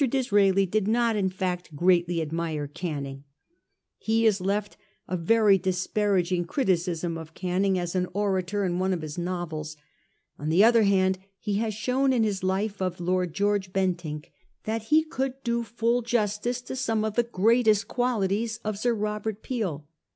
Disraeli did not in fact greatly admire Canning.' He has left a very disparaging criticism of Canning as an orator in 1845 6 .* ORGANISED HYPOCRISY/ 401 one of his novels. On the other hand, he has shown in his ' Life of Lord George Bentinck,' that he could do fall justice to some of the greatest qualities of Sir Robert Peel.